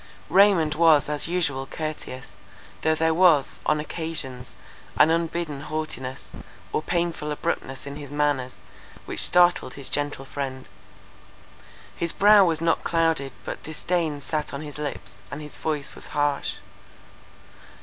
Raymond was as usual courteous, though there was, on occasions, an unbidden haughtiness, or painful abruptness in his manners, which startled his gentle friend; his brow was not clouded but disdain sat on his lips, and his voice was harsh.